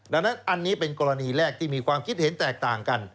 ดังนั้นอันนี้เป็นกรณีแรกที่มีความคิดเห็นแตกต่างกัน